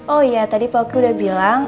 oh iya tadi pauki udah bilang